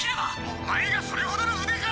お前がそれほどの腕か！